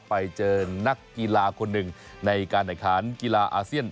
ไปเจอนักกีฬาคนหนึ่งในการแข่งขันกีฬาอาเซียน